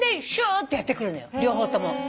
両方とも。